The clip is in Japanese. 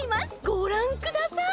ごらんください！